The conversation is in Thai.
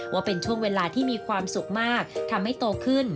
ว่าเป็นช่วงเวลาที่มีความสุขมากทำให้โตขึ้น